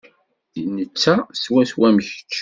Netta swaswa am kečč.